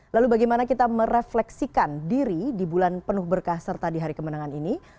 lalu bagaimana kita merefleksikan diri di bulan penuh berkah serta di hari kemenangan ini